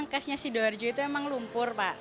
kasnya si doharjo itu emang lumpur pak